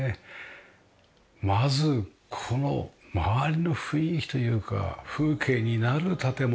まずこの周りの雰囲気というか風景になる建物。